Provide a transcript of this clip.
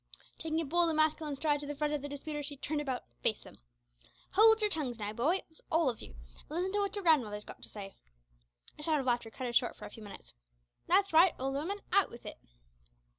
Taking a bold and masculine stride to the front of the disputers, she turned about and faced them. "Howld yer tongues now, boys, all of you, and listen to what your grandmother's got to say." A shout of laughter cut her short for a few seconds. "That's right, old 'ooman, out with it."